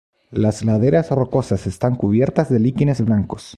Las laderas rocosas están cubiertas de líquenes blancos.